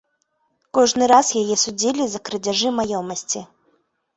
Кожны раз яе судзілі за крадзяжы маёмасці.